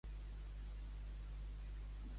Pertany al moviment independentista l'Eva?